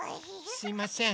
すいません。